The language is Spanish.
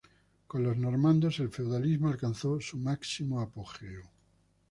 Con los normandos, el feudalismo alcanzó su máximo apogeo.